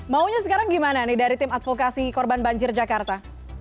maunya sekarang gimana nih dari tim advokasi korban banjir jakarta